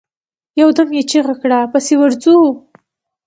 يودم يې چيغه کړه! پسې ورځو.